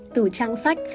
từ trang sách